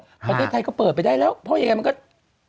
ประเทศไทยก็เปิดไปได้แล้วเพราะยังไงมันก็